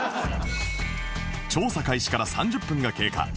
調査開始から３０分が経過